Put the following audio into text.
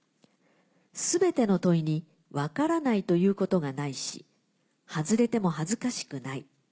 全ての問いに分からないということがないし外れても恥ずかしくない。